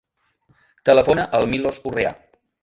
Telefona al Milos Urrea.